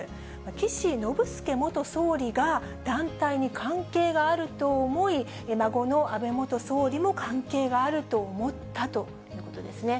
岸信介元総理が団体に関係があると思い、孫の安倍元総理も関係があると思ったということですね。